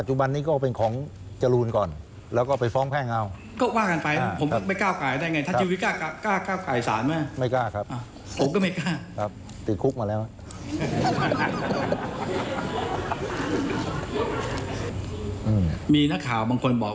ชี้ซ้ายชี้ซ้าย